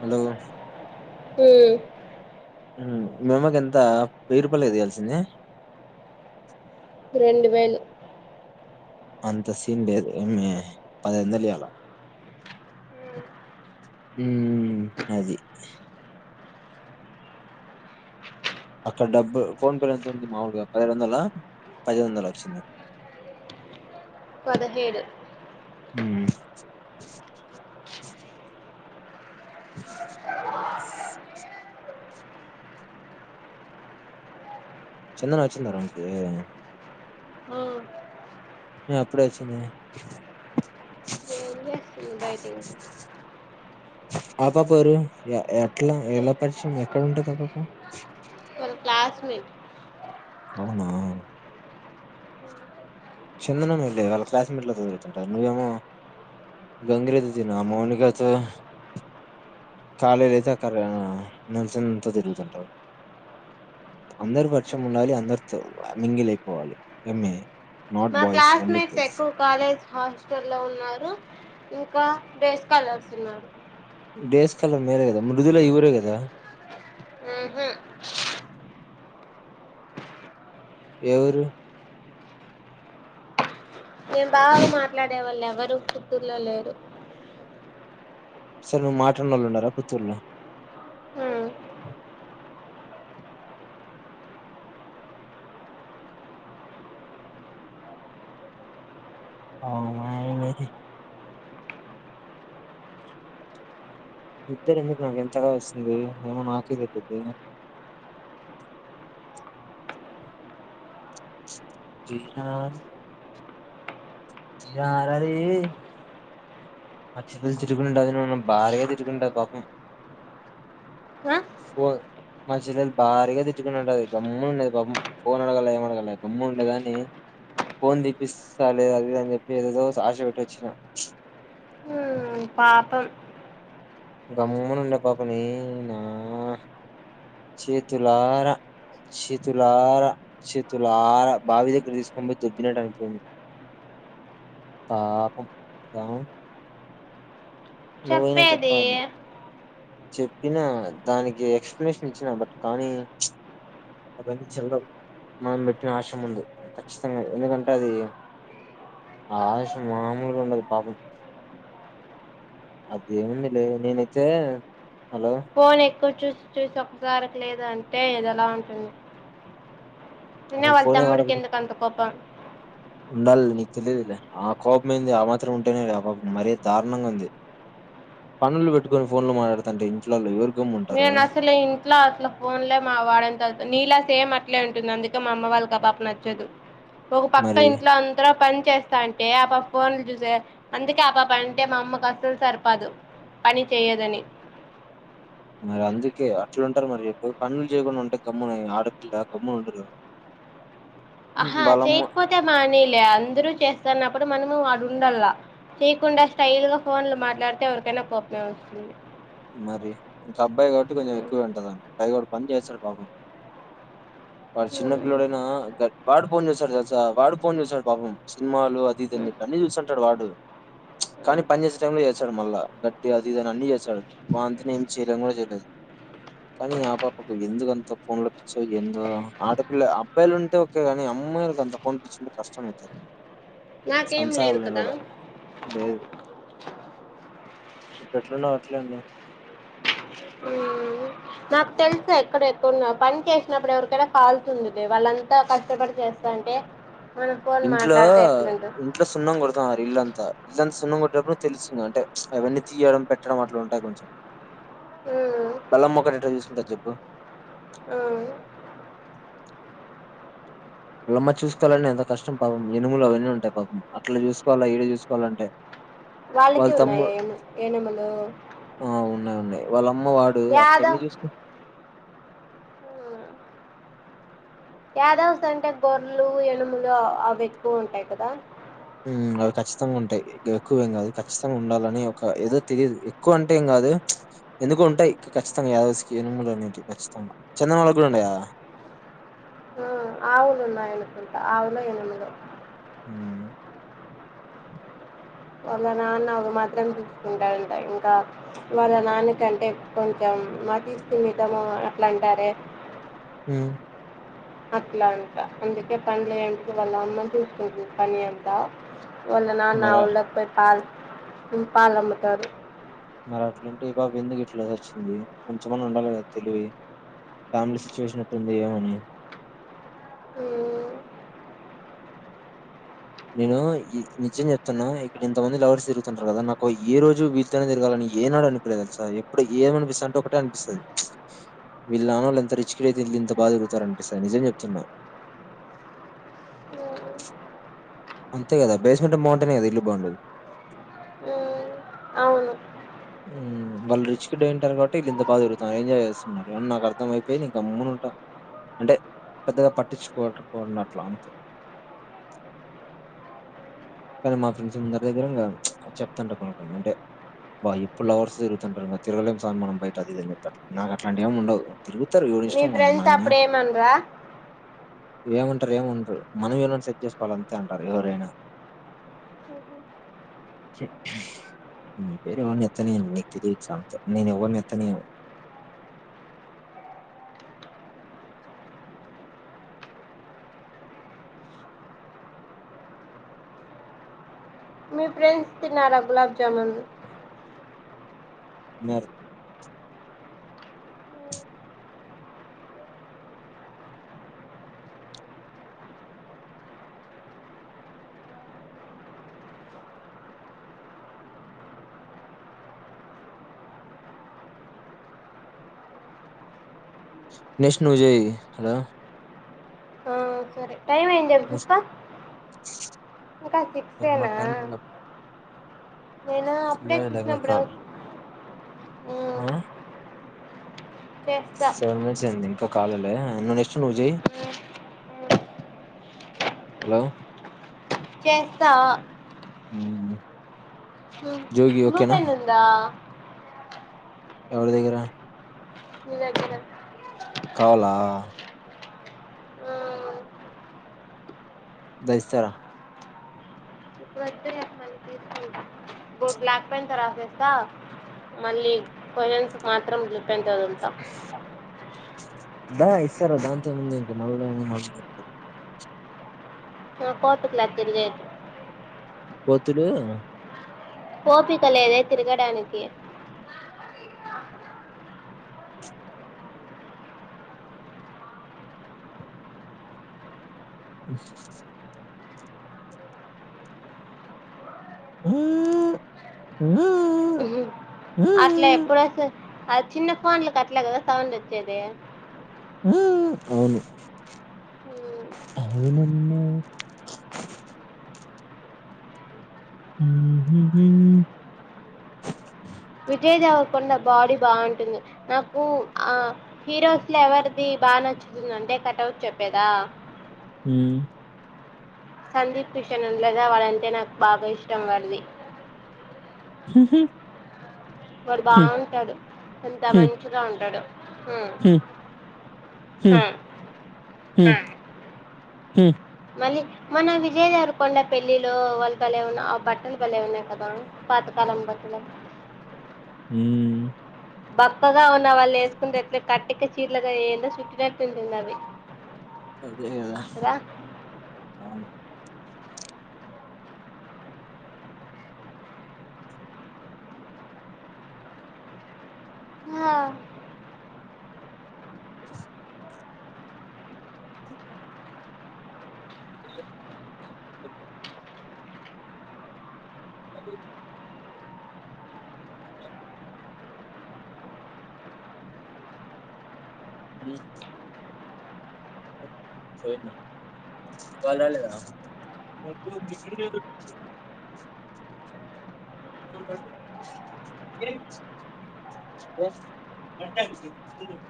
Hello మ్మ్ మ్మ్ మా అమ్మకి ఎంత వేయి రూపాయలే గద ఇయాల్సింది రెండు వేలు అంత సీన్ లేదు ఎమి పదైదు వందలు ఇయ్యాల మ్మ్ అది అక్కడ డబ్బు ఫోన్ పే లో ఎంత ఉంది మాముూలుగా పదైదు వందల పది వందల వచ్చింది పదహేడు మ్మ్ చందన వచ్చింద రూమ్ కి ఏం అప్పుడే వచ్చింది మ్మ్ బయటికి [unintelligible] ఆ పాప ఎవ్వరు యా ఎ ఎట్లా ఎలా పరిచయం ఎక్కగుంటది ఆ పాప హస్మి అవునా చందన మేలే వాళ్ళ క్లాస్మేట్ లో తిరుగుతుంటారు నువ్వేమో గంగిరెద్దు ల ఆ మౌనికతో కాలేజ్ అయితే ఉంటే అక్కడ [unintelligible] సందంత తిరుగుతుంటావు అందరు పరిచయం ఉండాలి అందరితో మింగిలి అయిపోవలి ఏమి మా క్లాస్ మేట్స్ ఎక్కువ కాలేజ్ హాస్టలో ఉన్నారు ఇంకా డేస్ కాలర్స్ ఉన్నారు డేస్ కాలర్ మీరే కదా మృదుల ఈఊరే కదా ఊహు ఏ ఊరు నేన్ బాగ మాట్లాడే వాళ్ళు ఎవరు పుత్తూర్లో లేరు అసలు నువ్వు మాట్లనోళ్లు ఉన్నార పుత్తూర్లో హ్మ్. అవునా ఎంలే తీ నిద్దరెందుకు నాక్ ఇంతగా వస్తుంది ఏమో నాకే తెలిదే [unintelligible] నాధ్ ఇ ఆరాది మా చెల్లలు తిట్టుకునటది అదిన్న భారీగా తిట్టుకుంటది పాపం ఆ? ఫో మా చెల్లలు భారీగా తిట్టుకునూటది అది గమ్ ఉండేది పాపం ఫోన్ అడగాల ఏమ అడగాల గమ్ము ఉండేదాని ఫోన్ దిప్పిస్తా లేదా అదిఇది అని చెప్పేసి ఆశ పెట్టేసి వచ్చిన ఊ పాపం గమ్మునుండే పాపని నా చేతులార చితులార చితులార బావి దగ్గర తీసుకొని పోయి దొబ్బినట్టు అయిపోంది. పాపం ఆ చెప్పేది చెప్పిన దానికి ఎక్సప్లనేషన్ ఇచ్చిన బట్ కానీ చెవులొ మనం పెట్టిన ఆశయం ముందు ఖచ్చితం ఎందుకంటే అది ఆ ఆశ మామూలుగా ఉండదు పాపం అది ఏముంది లేదు నేనైతే హలో ఫోన్ చూసి చూసి చూసి ఒకసారికి లేదా అంటే ఇది ఎలా ఉంటుంది. ఉన్న అసలు వాళ్ళ ఫోనే తమ్ముడి వాడకు కెందుకు అంత కోపం ఉండాలి నీకు తెలియదు లె ఆ కోపం ఏంది ఆ మాత్రం ఉంటేనే ఆ కోం మరే దారుణంగా ఉంది. పనులు పెట్టుకొని ఫోన్ లో మాట్లాడుతాంటే ఇంట్లోలో ఎవరి నేను అసలె ఇంట్ల అసలు ఫోన్లే మా వాడేంత నీలే సేమ్ అట్లే ఉంటుంది అందుకే మా అమ్మ వాళ్ళకు ఆ పాప నచ్చదు. ఒక పక్క మరి ఇంట్ల అంతర పం చేస్తా అంటే ఆపప ఫోన్లు చూసె అందుకే ఆపాప పని అంటే మా అమ్మకు అస్సలు సరిపాదు పని చేయదని మరి అందుకే అట్ల ఉంటరు మరి పనులు చేయకుండా ఉంటే గమ్మున ఆడపిల్ల గమ్మున ఉండరు. ఆహా వాళ్ళమ్మ చేయకపోతే మానేయిలే అందరూ చేస్తన్నప్పుడు మనము వాడు ఉండల్లా చేయకుండా స్టైలు గా ఫోన్లు మాట్లాడితే ఎవరికైనా కోపమే వస్తుంది. మరి ఇంకాబ్ అబ్బాయి కాబట్టి కొంచెం ఎక్కువే ఉంటది పైగా వాడు పని చేస్తాడు పాపం వాడు చిన్నపిల్లోడైనా గ వాడు ఫోన్ చేస్తాడు తెలుసా వాడు ఫోన్ చూస్తాడు పాపం సినిమాలు అది ఇదని ఇ అన్ని చూస్తుంటాడు. వాడు కానీ పని చేసే టై లో చేసాడు మళ్ళా గట్టి అది ఇదని అన్ని చేస్తాడు వా అంతనే ఏమి చేయడం కూడా చేయలేదు కానీ ఆ పాపకు ఎందుకంత ఫోన్ లో పిచ్చో ఏందో ఆడపిల్ల అబ్బాయిలు ఉంటే ఒకే కాని అమ్మాయిలకు అంత ఫోన్ పిచ్చుంటే కష్టం అవుతుంది. నాకేం లేదు కదా లేదు ఇప్పుడు ఎట్లున్నావో అట్లే ఉండు. హు నాక్ తెలుసె ఎక్కడ ఎక్కడున్నా పని చేసినప్పుడు ఎవరికైనా కాల్సి ఉందిదె వాళ్ళంతా కష్టపడి చేస్తాంటే మనం ఫోన్ ఇంట్లో మాట్లాడితే ఎట్లుంటది ఇంట్లో సున్నం కొడతాన్నారు ఇళ్లంతా ఇళ్లంతా సున్నం కొట్టేటప్పుడు తెలుసు అంటే అవన్నీ తీయడం పెట్టడం అట్లు ఉంటాయి కొంచెం ఊ వల్ల అమ్మ కి చెప్పు. [unintelligible] మ్మ్ ల్లమ్మ చూసుకోవాలంటే ఎంత కష్టం పాపం ఎనుములు అవన్నీ ఉంటాయి పాపం అట్ల చూసుకోవాలి ఈడ చూసుకోవాలంటే వాళ్ళ వాళ్ళకె ఉన్నాయి తమ్ముడు ఏనుము ఏనములు వళం అమ్మ వాడు అట్లన్నీ చూసుకు ఉమ్, యాదవ్స్ అంటే గొర్లు ఎనుములు అవి ఎక్కువ ఉంటయ్ కదా అవి ఖచ్చితంగా ఉంటాయి. ఎక్కువేం కాదు ఖచ్చితంగా ఉండాలని ఒక ఏదో తెలియదు ఎక్కువంటే ఏం కాదు ఎందుకు ఉంటాయి. ఖచ్చితంగా యాదవ్స్ కి ఎనుములు అనేవి ఖచ్చితంగా చందన వాళ్ళకి కూడా ఉన్నాయ ఆవులున్నాయి అనుకుంటా ఆవులో ఎనుములో ఉ వాళ్ళ నాన్న అవి మాత్రం చూసుకుంటాడంట ఇంకా వాళ్ళ నాన్న కంటే కొంచెం మతిస్థిమితము అట్లా అంటారే హ్మ్ అట్లాంటా అందుకే పని లేనపుడు వళ్ళమ్మ చూస్కూంటుంది పనియంతా వాళ్ళ నాన్న మర ఆవుళ్ళోకి పోయి పాల్ హ్మ్ పాలు అమ్ముతారు మరి అట్లుంటే ఈ పాప ఎందుకు ఇట్లా చచ్చింది కొంచెమన్నా ఉండాలి కదా తెలివి ఫ్యామిలీ సిచ్యువేషన్ ఎట్లుంది ఏమని నేను గీ నిజం చెప్తున్నా ఇక్కడ ఇంతమంది లవర్స్ తిరుతుంటారు కదా నాకు ఏ రోజు వీళ్ళతోనే తిరగాలని ఏనాడు అనిపియ్యలే తెల్సా ఎప్పుడు ఏం అనిపిస్తాంటే ఒకటే అనిపిస్తుంది వీళ్ళ నాన్నఒళ్లు ఎంత రిచ్కిడ్ అయితే వీళ్ళు ఇంత బాగా తిరుగుతారు అనిపిస్తది నిజం చెప్తున్నా అంతే కదా బేస్మెంటం బాగుంటేనే కదా ఇల్లు బాగుండేది అవును ఉమ్ వాళ్ళు రిచ్కిడ్ అయింటారు కాబట్టి వీళ్ళు ఇంత బాగా తిరుగుతారు ఎంజాయ్ చేస్తున్నారు అని నాకు అర్ధం అయిపోయి నేను గమ్మనుంటా అంటే పెద్దగా పట్టించుకోన్నట్ల అంతే కానీ మా ఫ్రెండ్స్ ముందరి దగ్గర ఇంకా ప్చ్ చెప్తాంట పాపం అంటే బా ఇప్పుడు లవర్స్ తరుగుతుంటారు తిరగలేం స్వామి మనం బయట అది ఇది అని చెప్తాంటే నాకు అట్లాంటివి ఏమి ఉండవ్ తిరుగు మీ ఫ్రెండ్స్ అప్పుడు ఏమ్ ఆన్ డ్రా ఏమంటారు ఏమనరు మనమే ఎవరినన్నా సెట్ చేసుకోవాలి అంతే అంటారు ఎవరైనా వేరే ఎవ్వరిని ఎత్తన నియ్యను నిక్కీ దీన్ సమాతే నేను ఎవరిని ఎత్తనియ్యను మీ ఫ్రెండ్స్ తిన్నారా గులాబ్ జామున్ నర్‌ నెక్స్ట్ నువ్వు చెయ్ హలో ఆ సరే టైం అయ్యింది జల్ నెక్స్ట్ చూస్కో ఇంకా మా సిక్సేనా టైం నేనా అప్పుడే లేదు లేదు ఇంకా చూసినప్పుడో కాల్ ఆ చేస్తా సెవెన్ మినిట్స్ అయింది ఇంకా కాల లేండే నువ్ నెక్స్ట్ నువ్ జేయ్ మ్మ్, మ్మ్, హలో చేస్తా ఆ హ్మ్ బ్లూ పెన్ ఉందా ఎవడి దగ్గర నీ దగ్గర కావల మ్మ్. ద ఇస్తారా బో బ్లాక్ పెన్‌ తో రాసేస్తా మళ్ళీ పోయంస్ కి మాత్రం పెన్ తో అదంతా దా ఇస్తారా దాంతోఏముంది ఇంకా మళ్ళా ఏమో ఉంట [unintelligible] పోతులూఆ ఒపికలేదే తిరగడానికి హుమ్ హుమ్ అట్లా ఎప్పుడు వస్ అది చిన్న పోన్ల కట్లేకదా సౌండ్ వచ్చేది. [inaudible] హుమ్ అవును ఉమ్, అవునమ్మా హుమ్ [inaudible] విజయ్ దేవరకుండ బాడీ బాగుంటుంది. నాకు ఆ హీరోస్ లో ఎవరిది బాగా నచ్చుతుంది అంటే, కటఅవ్ట్ చెప్పేదా. హుమ్ సందీప్ కిషన్ ఉన్ లేదా వాళ్ళంటే నాకు బాగా ఇష్టం వాడిది ఉహు వాడు బాగుంటాడు. ఎంత మంచిగా ఉంటాడు. హుమ్ హుమ్ హుమ్ హుమ్ మళ్ళీ మన విజయదేవరకొండ పెళ్ళిలో వాళ్ళు బలే ఉన్న ఆ బట్టలు బలే ఉన్నాయి కదా. పాతకాలం బట్టలు ఊ బపస్ ఉన్న వాళ్ళు వేసుకుంటే ఎట్లు కిచ్ చీర్లకాయ ఎ సుటి తంత నవవి అది రా అవును హా [inaudible] అదే హుమ్ పోయిన వాళ్లు రాలేద పొద్దున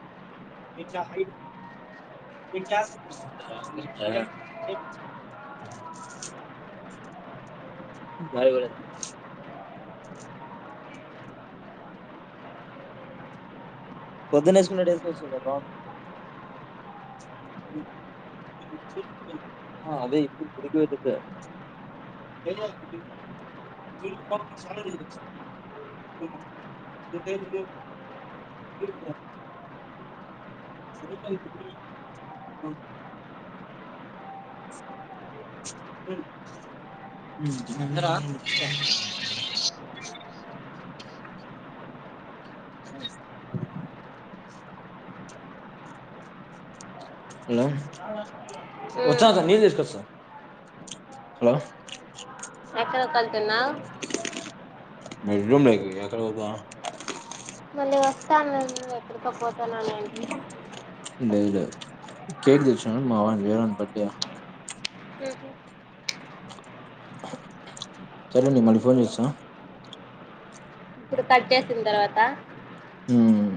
బడి పోలేదా పొద్దున్న వేసుకున్నట్టు వేసుకోవచ్చు కదా బ్రో ఆ అదే ఇప్పుడు గుడికి పోయేటప్పుడు అన్నార అ హలో హ్మ్. వచ్చన నీళ్లు తీసుకొస్తా హలో ఎక్క కల్ సనా బెడ్ రూమ్ లోకి ఎక్కడ పోతా మళ్ళీ వస్తాను నే ఎక్కడికో పోతాను అంటివి లేదు లేదు కేక్ తెచ్చన్ మా వాని వేరే వాని బర్త్డె సరే అండి మళ్ళీ ఫోన్ చేస్తా ఇప్పుడు కట్చేసిన తర్వాత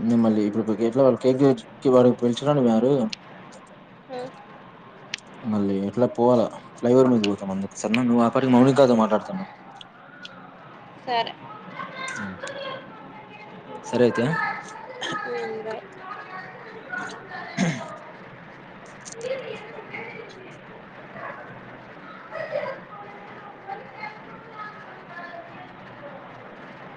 నేను మళ్ళీ ఇప్పుడు కేట్లా వాళ్ళ కేక్ వాడికి పిలచకరానికి పోయారు. హ్మ్. మళ్ళీ ఎట్లా పోవాలా ఫ్లైఓర్ మీద పోతాన్నా అందుకు. సరేనా నువ్వు ఆపరికి మౌనిక తో మాట్లాడుతుండు. సరే ఉ సరే అయితె. హ్మ్. బాయ్. అవునా